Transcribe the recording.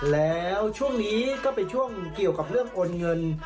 แล้วช่วงนี้ก็เป็นช่วงเกี่ยวกับเรื่องโอนเงิน